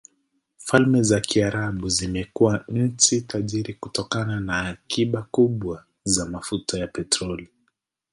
Falme za Kiarabu zimekuwa nchi tajiri kutokana na akiba kubwa za mafuta ya petroli.